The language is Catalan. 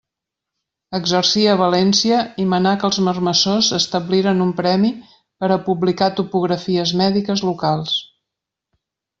Exercia a València i manà que els marmessors establiren un premi per a publicar topografies mèdiques locals.